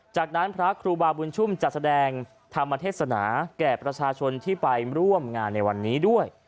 จากนั้นพระครูบาบุญชุมจัดแสดงธรรมเทศนาแก่ประชาชนที่ไปร่วมงานในวันนี้ด้วย